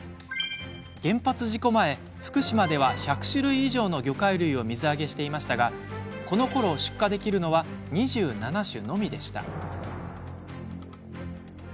原発事故前、福島では１００種類以上の魚介類を水揚げしていましたがこのころ出荷できるのは２７種のみでした。